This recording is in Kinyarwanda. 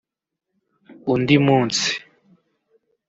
"Undi munsi"